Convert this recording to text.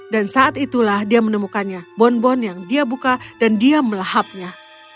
dan saat itulah dia menemukannya bonbon yang dia buka dan dia melahapnya